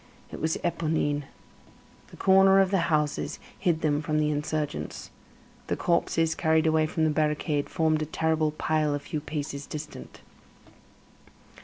It was Éponine. The corner of the houses hid them from the insurgents. The corpses carried away from the barricade formed a terrible pile a few paces distant.